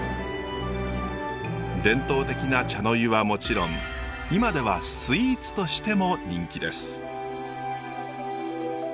伝統的な茶の湯はもちろん今ではスイーツとしても人気です。